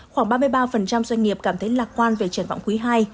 khoảng ba mươi ba doanh nghiệp cảm thấy lạc quan về triển vọng quý ii